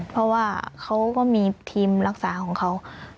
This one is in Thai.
เพราะว่าเขาก็มีทีมรักษาของเขา